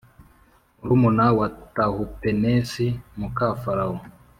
murumuna wa Tahupenesi muka Farawo